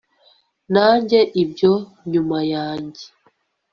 Nanjye ibyo nyuma yanjye